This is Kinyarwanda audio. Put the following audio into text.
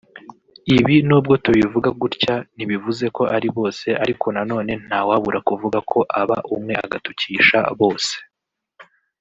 Ibi nubwo tubivuga gutya ntibivuze ko ari bose ariko nanone ntawabura kuvuga ko aba umwe agatukisha bose